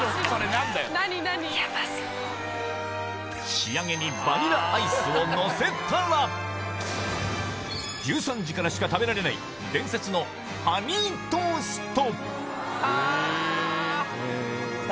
仕上げにバニラアイスをのせたら１３時からしか食べられない伝説のはぁ。